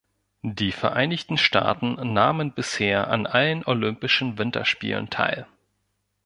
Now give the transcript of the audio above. Die Vereinigten Staaten nahmen bisher an allen Olympischen Winterspielen teil.